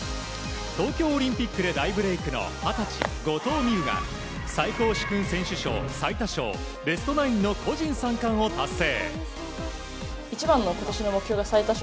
東京オリンピックで大ブレークの二十歳、後藤希友が最高叙勲選手賞、最多勝ベストナインの個人三冠を達成。